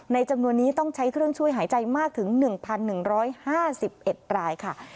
จำนวนนี้ต้องใช้เครื่องช่วยหายใจมากถึง๑๑๕๑รายค่ะ